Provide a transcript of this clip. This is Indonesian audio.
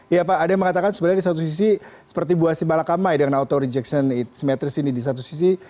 iya pak ada yang mengatakan sebenarnya di satu sisi seperti bu asimbalakamai dengan auto rejection simetris ini di satu sisi